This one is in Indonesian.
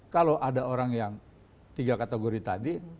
kalau ada orang yang tiga kategori tadi